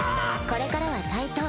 これからは対等。